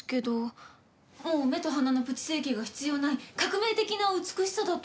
もう目と鼻のプチ整形が必要ない革命的な美しさだと。